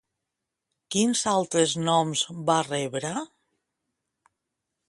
Quins altres noms va rebre?